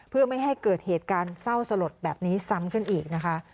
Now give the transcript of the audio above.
เพื่อไม่ให้เกิดเหตุการณ์เศร้าสลดแบบนี้ซ้ำขึ้นอีกนะคะ